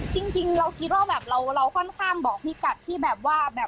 จริงเราคิดว่าแบบเราค่อนข้างบอกพี่กัดที่แบบว่าแบบ